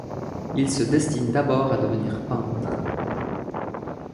Il se destine d’abord à devenir peintre.